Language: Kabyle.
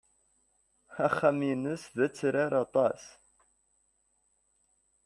Axxam-nnes d atrar aṭas.